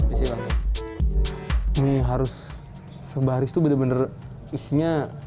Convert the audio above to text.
ini harus sebaris itu bener bener isinya